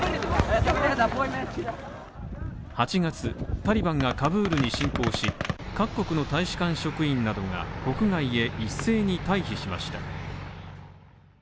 ８月タリバンがカブールに進攻し、各国の大使館職員などが国外へ一斉に退避しました。